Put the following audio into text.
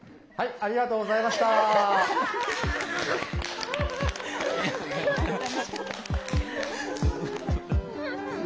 ありがとうございます。